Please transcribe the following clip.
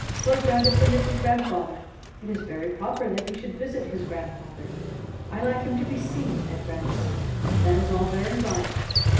Lord Grandison is his grandfather. It is very proper that he should visit his grandfather. I like him to be seen at Grandison. That is all very right.